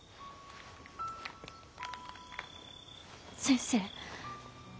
先生。